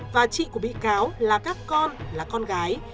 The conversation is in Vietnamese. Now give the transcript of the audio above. và chị của bị cáo là các con là con gái